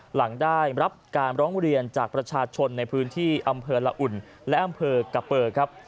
หลังได้รับการร้องเรียนจากประชาชนในพื้นที่อำเภอละอุ่นและอำเภอกะเปอร์ครับ